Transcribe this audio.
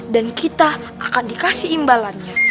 dan kita akan dikasih imbalannya